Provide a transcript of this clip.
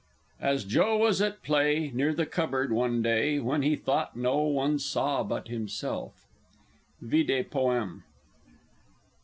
"As Joe was at play, Near the cupboard one day, When he thought no one saw but himself." _Vide Poem.